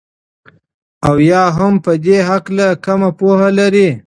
او يا هم په دي هكله كمه پوهه لري